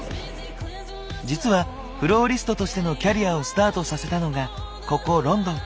実はフローリストとしてのキャリアをスタートさせたのがここロンドン。